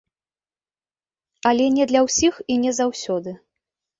Але не для ўсіх і не заўсёды.